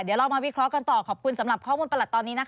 เดี๋ยวเรามาวิเคราะห์กันต่อขอบคุณสำหรับข้อมูลประหลัดตอนนี้นะคะ